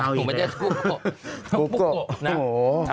เอาอีกแล้วลุงปุ๊กโกโห